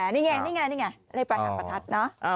นี่ไงเลขปลายหางประทัดนะ